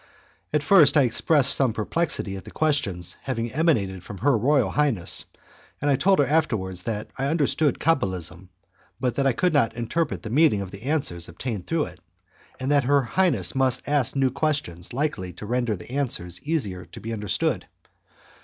At first I expressed some perplexity at the questions having emanated from her royal highness, and I told her afterwards that I understood cabalism, but that I could not interpret the meaning of the answers obtained through it, and that her highness must ask new questions likely to render the answers easier to be understood.